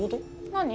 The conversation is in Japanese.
何？